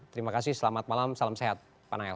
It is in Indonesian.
terima kasih selamat malam salam sehat pak nael